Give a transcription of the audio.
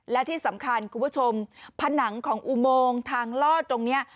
และที่สำคัญคุณผู้ชมผนังของอุโมงทางลอดตรงนี้